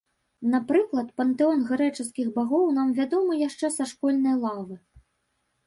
Напрыклад, пантэон грэчаскіх багоў нам вядомы яшчэ са школьнай лавы.